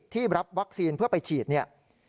รับวัคซีนเพื่อไปฉีดเนี่ย